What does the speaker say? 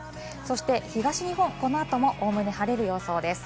そして東日本、この後もおおむね晴れる予想です。